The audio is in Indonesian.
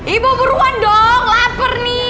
ibu buruan dong lapar nih